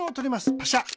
パシャ。